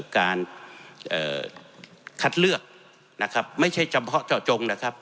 การคัดเลือกนะครับไม่ใช่เฉพาะเจาะจงนะครับ